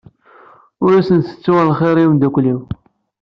Ur sen-tettuɣ lxir i imdukal-iw.